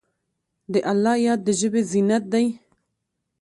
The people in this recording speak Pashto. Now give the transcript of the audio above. د الله یاد د ژبې زینت دی.